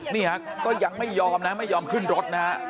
นี่ฮะก็ยังไม่ยอมนะไม่ยอมขึ้นรถนะฮะ